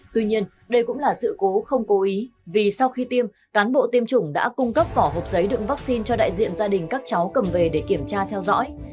tuy nhiên đây cũng là sự cố không cố ý vì sau khi tiêm cán bộ tiêm chủng đã cung cấp vỏ hộp giấy đựng vaccine cho đại diện gia đình các cháu cầm về để kiểm tra theo dõi